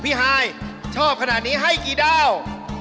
ฮายชอบขนาดนี้ให้กี่ด้าว